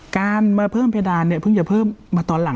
การมาเพิ่มเพดานเนี่ยเพิ่งจะเพิ่มมาตอนหลัง